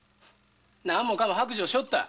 なにもかも白状しおった。